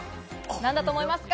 何だと思いますか？